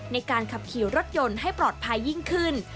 ในการขับขี่รถยนต์ให้ปลอดภัยยิ่งขึ้น